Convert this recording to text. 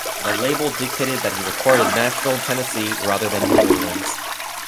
The label dictated that he record in Nashville, Tennessee, rather than New Orleans.